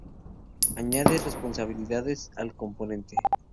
Añade responsabilidades al componente.